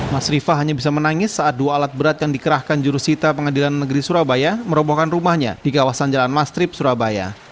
mas rifa hanya bisa menangis saat dua alat berat yang dikerahkan jurusita pengadilan negeri surabaya merobohkan rumahnya di kawasan jalan mastrip surabaya